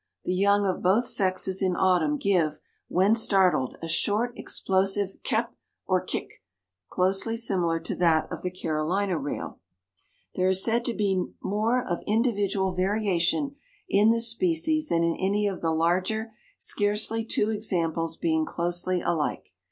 The young of both sexes in autumn give, when startled, a short, explosive kep or kik, closely similar to that of the Carolina rail. There is said to be more of individual variation in this species than in any of the larger, scarcely two examples being closely alike.